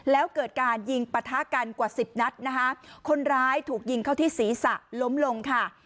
แล้วเกิดการยิงปะทะกันกว่าสิบนัดนะคะคนร้ายถูกยิงเข้าที่ศีรษะล้มลงค่ะ